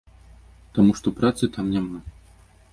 Таму што працы там няма.